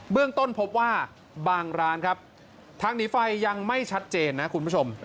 เรื่องต้นพบว่าบางร้านครับทางหนีไฟยังไม่ชัดเจนนะคุณผู้ชม